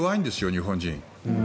日本人。